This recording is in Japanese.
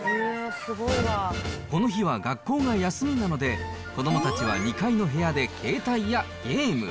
この日は学校が休みなので、子どもたちは２階の部屋で携帯やゲーム。